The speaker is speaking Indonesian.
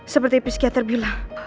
seperti psikiater bilang